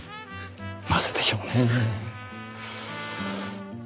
なぜでしょうねぇ？